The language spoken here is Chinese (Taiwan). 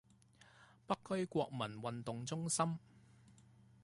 北區國民運動中心